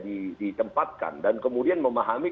ditempatkan dan kemudian memahami